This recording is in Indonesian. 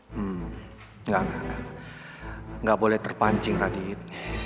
hmm enggak enggak boleh terpancing radit